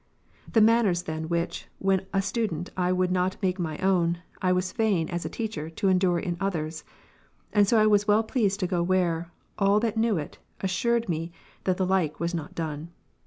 The manners then which, when a student, I would not make my own p, I was fain, as a teacher, to endure in others : and so I was well pleased to go where, all that knew iv 142, it, assured me thatthc like was not done.